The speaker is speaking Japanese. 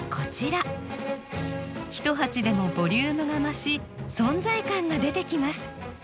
１鉢でもボリュームが増し存在感が出てきます。